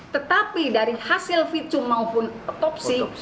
tetapi dari hasil visum maupun otopsi